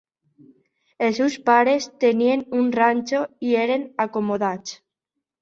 Els seus pares tenien un ranxo i eren acomodats.